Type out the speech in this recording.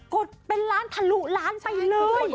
ดเป็นล้านทะลุล้านไปเลย